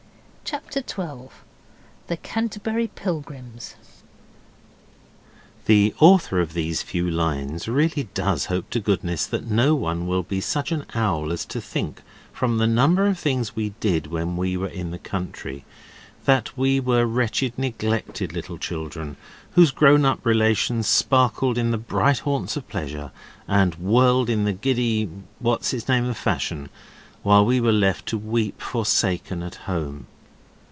CHAPTER 12. THE CANTERBURY PILGRIMS The author of these few lines really does hope to goodness that no one will be such an owl as to think from the number of things we did when we were in the country, that we were wretched, neglected little children, whose grown up relations sparkled in the bright haunts of pleasure, and whirled in the giddy what's its name of fashion, while we were left to weep forsaken at home.